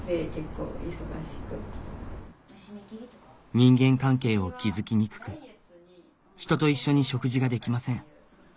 人間関係を築きにくく人と一緒に食事ができません